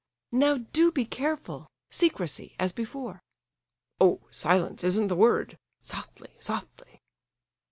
"Now, do be careful! Secrecy, as before!" "Oh, silence isn't the word! Softly, softly!"